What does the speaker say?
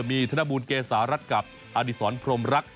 มีธนบูลเกษารัฐกับอดิษรพรมรัก